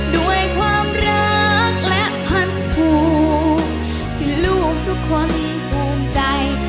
ด้วยความรักและพันผูกที่ลูกทุกคนภูมิใจ